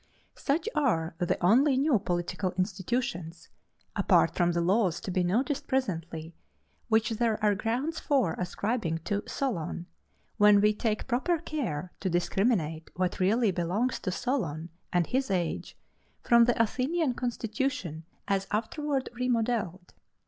Such are the only new political institutions (apart from the laws to be noticed presently) which there are grounds for ascribing to Solon, when we take proper care to discriminate what really belongs to Solon and his age from the Athenian constitution as afterward remodelled.